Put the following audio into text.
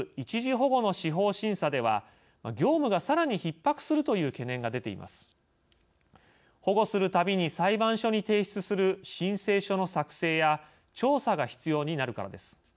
保護するたびに裁判所に提出する申請書の作成や調査が必要になるからです。